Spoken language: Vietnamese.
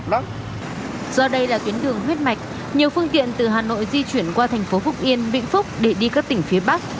do đây là tuyến đường huyết mạch nhiều phương tiện từ hà nội di chuyển qua thành phố phúc yên vĩnh phúc để đi các tỉnh phía bắc